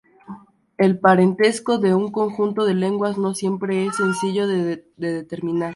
El parentesco de un conjunto de lenguas no siempre es sencillo de determinar.